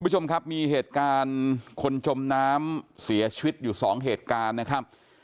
คุณผู้ชมครับมีเหตุการณ์คนจมน้ำเสียชีวิตอยู่สองเหตุการณ์นะครับ